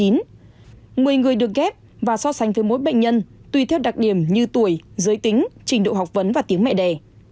người người được ghép và so sánh với mỗi bệnh nhân tùy theo đặc điểm như tuổi giới tính trình độ học vấn và tiếng mẹ đẻ